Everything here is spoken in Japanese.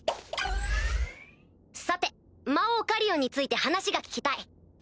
さて魔王カリオンについて話が聞きたい。